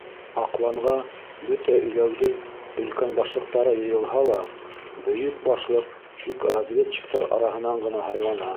Аҡланға бөтә иләүҙең Өлкән Башлыҡтары йыйылһа ла, Бөйөк Башлыҡ тик разведчиктар араһынан ғына һайлана.